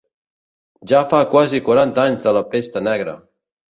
Ja fa quasi quaranta anys de la pesta negra.